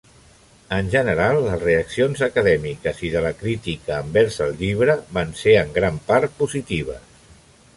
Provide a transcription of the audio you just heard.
En general, les reaccions acadèmiques i de la crítica envers el llibre van ser en gran part positives.